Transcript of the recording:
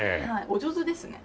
お上手ですね。